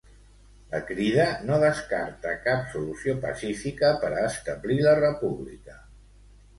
La Crida no descarta cap solució pacífica per a establir la República.